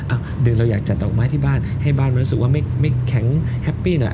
หรือเราอยากจัดดอกไม้ที่บ้านให้บ้านมันรู้สึกว่าไม่แข็งแฮปปี้หน่อย